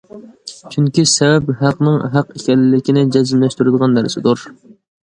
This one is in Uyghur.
چۈنكى، سەۋەب ھەقنىڭ ھەق ئىكەنلىكىنى جەزملەشتۈرىدىغان نەرسىدۇر.